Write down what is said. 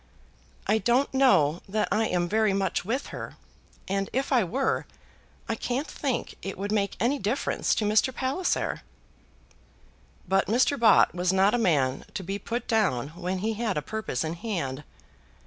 "I don't know that I am very much with her, and if I were I can't think it would make any difference to Mr. Palliser." But Mr. Bott was not a man to be put down when he had a purpose in hand.